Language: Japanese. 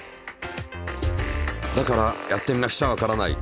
だからやってみなくちゃわからない。